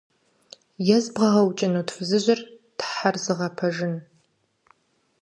- ЕзбгъэгъэукӀынут фызыжьыр, Тхьэр зыгъэпэжын?!